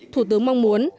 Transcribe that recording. thủ tướng mong muốn